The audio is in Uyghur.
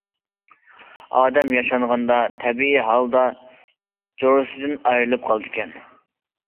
ئادەم ياشانغاندا تەبىئىي ھالدا جورىسىدىن ئايرىلىپ قالىدىغان گەپ.